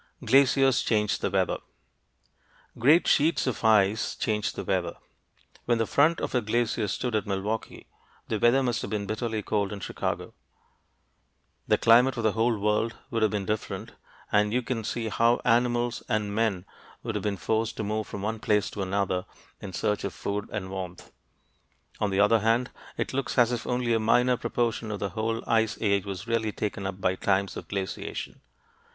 GLACIERS CHANGE THE WEATHER Great sheets of ice change the weather. When the front of a glacier stood at Milwaukee, the weather must have been bitterly cold in Chicago. The climate of the whole world would have been different, and you can see how animals and men would have been forced to move from one place to another in search of food and warmth. On the other hand, it looks as if only a minor proportion of the whole Ice Age was really taken up by times of glaciation.